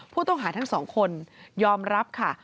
ผู้ต้องหาทั้งสองคนยอมรับค่ะ